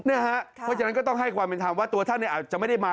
เพราะฉะนั้นก็ต้องให้ความเป็นธรรมว่าตัวท่านอาจจะไม่ได้มา